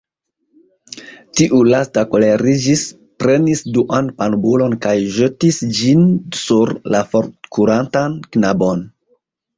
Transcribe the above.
Tiu lasta koleriĝis, prenis duan panbulon kaj ĵetis ĝin sur la forkurantan knabon.